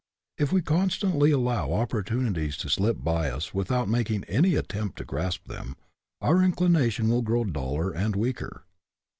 If we constantly allow opportunities to slip by us without making any attempt to grasp them, our inclination will grow duller and weaker.